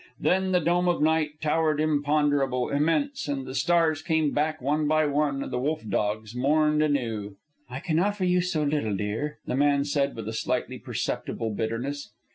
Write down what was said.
Then the dome of night towered imponderable, immense, and the stars came back one by one, and the wolf dogs mourned anew. "I can offer you so little, dear," the man said with a slightly perceptible bitterness.